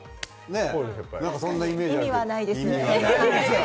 意味はないんです。